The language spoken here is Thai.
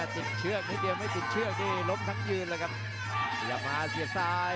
เชือกนิดเดียวไม่ติดเชือกนี่ล้มทั้งยืนเลยครับขยับมาเสียบซ้าย